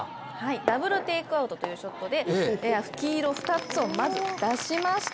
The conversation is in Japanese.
ダブルテイクアウトというショットで、黄色２つをまず出しました。